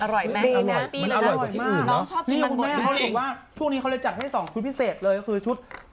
อร่อยอร่อยนะชอบแม่งว่าพูดว่าจากให้ต่อพี่เศษเลยก็คือชุด